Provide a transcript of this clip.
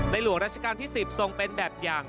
หลวงราชการที่๑๐ทรงเป็นแบบอย่าง